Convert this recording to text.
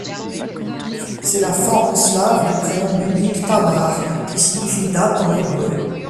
C'est la forme slave du prénom biblique Thamar, qui signifie datte en hébreu.